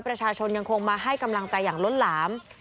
ประชาชนยังคงมาให้กำลังใจอย่างล้นหลาม